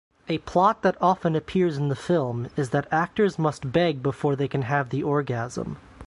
A plot that often appears in the film is that actors must beg before they can have the orgasm.